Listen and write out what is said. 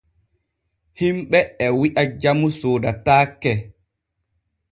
Himɓe e wi’a jamu soodataake.